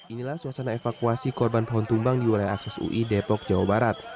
inilah suasana evakuasi korban pohon tumbang di wilayah akses ui depok jawa barat